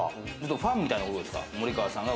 ファンみたいなことですか。